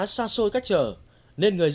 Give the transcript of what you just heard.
thôi không uống